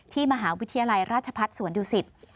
ที่มหาวิทยาลัยราชพัฒน์สวนดิวสิทธิ์